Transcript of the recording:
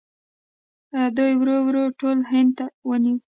دوی ورو ورو ټول هند ونیو.